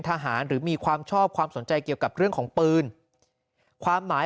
หรือมีความชอบความสนใจเกี่ยวกับเรื่องของปืนความหมาย